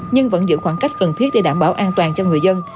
nhưng vẫn giữ khoảng cách cần thiết để đảm bảo an toàn cho người dân